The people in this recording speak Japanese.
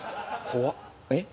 怖っ！